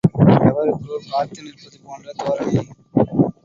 எவருக்கோ காத்து நிற்பதுபோன்ற தோரணை.